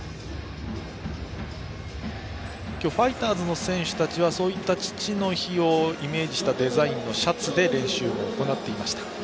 今日、ファイターズの選手たちはそういった父の日をイメージしたデザインのシャツで練習を行っていました。